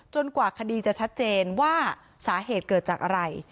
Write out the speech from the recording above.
กว่าคดีจะชัดเจนว่าสาเหตุเกิดจากอะไร